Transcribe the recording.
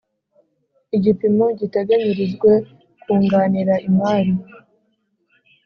Igipimo giteganyirijwe kunganira imari